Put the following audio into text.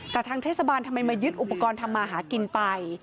แต่ทางเทศบาลทำไมมายึดอุปกรณ์ทำมาหากินไป